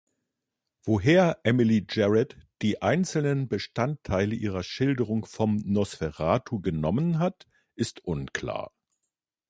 Woher Emily Gerard die einzelnen Bestandteile ihrer Schilderung vom Nosferatu genommen hat, ist unklar.